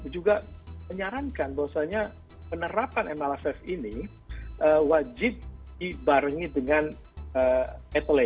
juga menyarankan bahwasannya penerapan mlss ini wajib dibarengi dengan etle